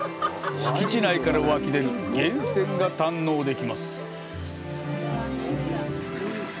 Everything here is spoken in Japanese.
敷地内から湧き出る源泉が堪能できます。